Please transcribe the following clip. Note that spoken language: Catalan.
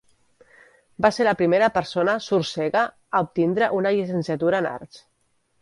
Va ser la primera persona sord-cega a obtindre una llicenciatura en arts.